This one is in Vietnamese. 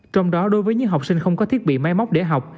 trong đó đối với những học sinh không có thiết bị máy móc để học